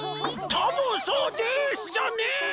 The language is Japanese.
「たぶんそうでぃす」じゃねえ！